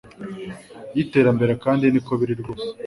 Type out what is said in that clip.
yiterambere kandi niko biri rwose